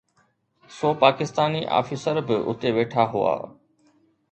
سو پاڪستاني آفيسر به اتي ويٺا هئا.